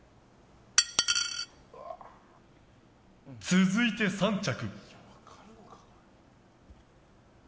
続いて３着。